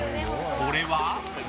これは？